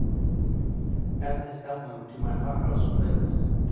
Add this album to my hot house playlist